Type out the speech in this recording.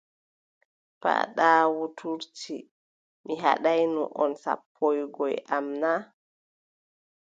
Paaɗaawu toonti: mi haɗaayno on sappaagoy am na?